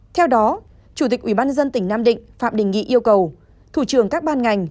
theo đó chủ tịch ubnd tỉnh nam định phạm đình nghị yêu cầu thủ trường các ban ngành